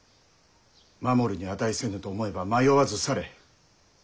守るに値せぬと思えば迷わず去れ。